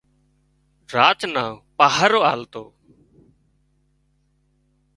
راچ نان پاهرو آلتو